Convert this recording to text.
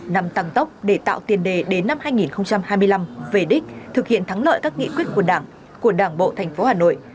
năm tăng tốc để tạo tiền đề đến năm hai nghìn hai mươi năm về đích thực hiện thắng lợi các nghị quyết của đảng của đảng bộ thành phố hà nội